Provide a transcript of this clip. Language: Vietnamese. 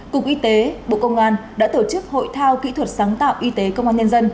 cục y tế bộ công an đã tổ chức hội thao kỹ thuật sáng tạo y tế công an nhân dân